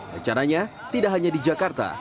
rencananya tidak hanya di jakarta